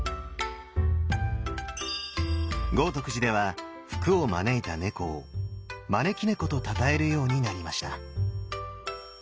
豪徳寺では福を招いた猫を「招福猫児」とたたえるようになりました。